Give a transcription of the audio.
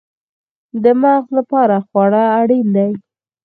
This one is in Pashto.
د مغز لپاره خواړه اړین دي